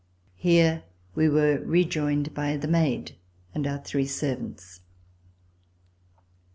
Here we were rejoined by the maid and our three servants.